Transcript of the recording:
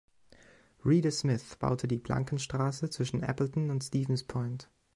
Reeder Smith baute die Plankenstraße zwischen Appleton und Stevens Point.